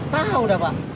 tahu udah pak